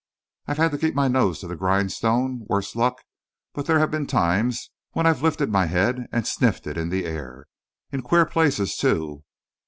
I've had to keep my nose to the grindstone, worse luck, but there have been times when I've lifted my head and sniffed it in the air. In queer places, too!